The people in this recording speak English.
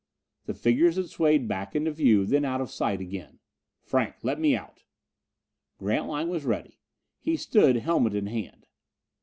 The figures had swayed back into view, then out of sight again. "Franck, let me out." Grantline was ready. He stood, helmet in hand.